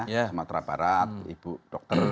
sumatera barat ibu dokter